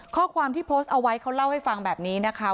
ข้อความที่โพสต์เอาไว้เขาเล่าให้ฟังแบบนี้นะคะ